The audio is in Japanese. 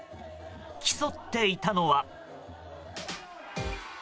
競っていたのは。